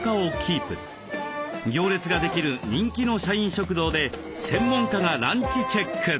行列ができる人気の社員食堂で専門家がランチチェック！